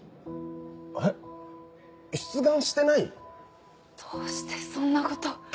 えっ出願してない⁉どうしてそんなこと。